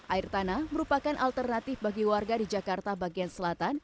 air tanah merupakan alternatif bagi warga di jakarta bagian selatan